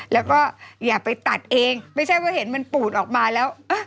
แล้วก็อย่าไปตัดเองไม่ใช่ว่าเห็นมันปูดออกมาแล้ว